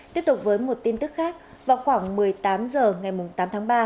tiếp tục với một tin tức khác vào khoảng một mươi tám h ngày tám tháng ba